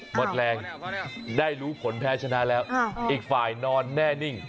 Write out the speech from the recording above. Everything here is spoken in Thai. หมดแรงได้รู้ผลแพ้ชนะแล้วอีกฝ่ายนอนแน่นิ่ง